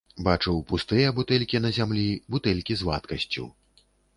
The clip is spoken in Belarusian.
Бачыў пустыя бутэлькі на зямлі, бутэлькі з вадкасцю.